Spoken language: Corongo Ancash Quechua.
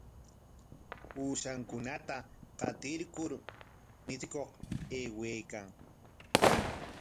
Ushankunata qatirkur michikuq aywaykan.